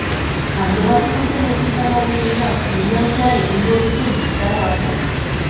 Antolatu duten ekintza nagusiena hirian zehar egingo duten gynkana bat da.